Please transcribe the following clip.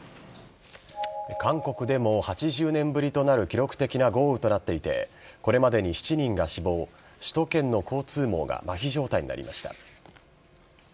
韓国でも８０年ぶりとなる記録的な豪雨となっていて、これまでに７人が死亡、首都圏の交通網がまひ状態になりました。